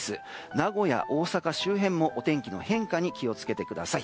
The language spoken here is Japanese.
名古屋、大阪周辺もお天気の変化にご注意ください。